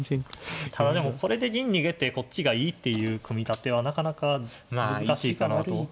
ただでもこれで銀逃げてこっちがいいっていう組み立てはなかなか難しいかなと。